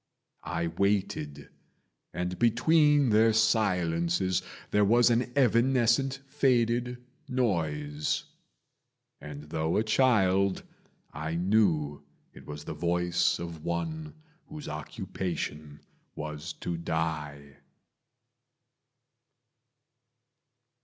I waited, and between their silences There was an evanescent faded noise; And though a child, I knew it was the voice Of one whose occupation was to die.